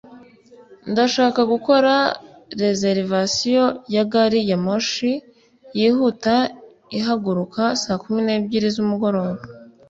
ndashaka gukora reservation ya gari ya moshi yihuta ihaguruka saa kumi n'ebyiri z'umugoroba